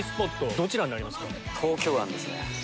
どちらになりますか？